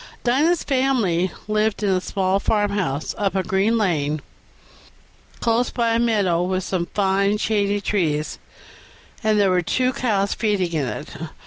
Dinah's family lived in a small farmhouse, up a green lane, close by a meadow with some fine shady trees; there were two cows feeding in it.